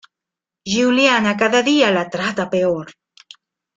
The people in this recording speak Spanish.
Giuliana cada día la trata peor.